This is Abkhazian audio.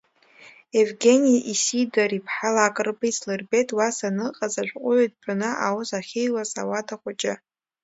Евгени Исидор-иԥҳа Лакрба ислырбеит уа саныҟаз ашәҟәыҩҩы дтәаны аус ахьиуаз ауада хәыҷы.